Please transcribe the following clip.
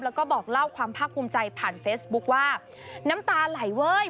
แล้วก็บอกเล่าความภาคภูมิใจผ่านเฟซบุ๊คว่าน้ำตาไหลเว้ย